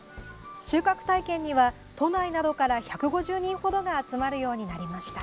収穫体験には、都内などから１５０人ほどが集まるようになりました。